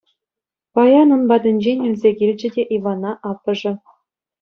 Паян ун патӗнчен илсе килчӗ те Ивана аппӑшӗ.